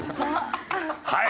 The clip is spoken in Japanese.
はい！